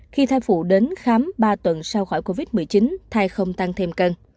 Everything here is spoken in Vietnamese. khi thai phụ đến khám ba tuần sau khỏi covid một mươi chín thai không tăng thêm cân